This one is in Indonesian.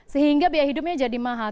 sehingga biaya hidupnya jadi mahal